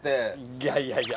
いやいやいや。